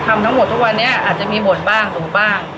ทำทั้งหมดทุกวันนี้อาจจะมีบทบ้างสูงบ้าง